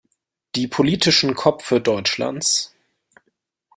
Die politischen Kopfe Deutschlands?